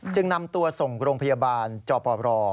จึงนำตัวส่งโรงพยาบาลจอบรอ